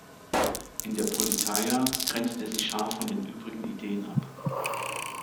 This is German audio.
In der "Politeia" grenzt er sie scharf von den übrigen Ideen ab.